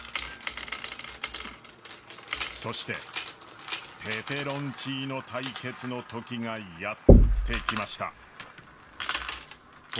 そしてペペロンチーノ対決の時がやって来ました。